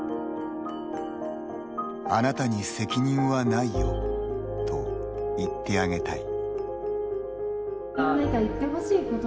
「あなたに責任はないよと言ってあげたい」